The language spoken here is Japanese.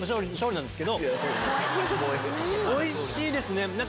おいしいですね！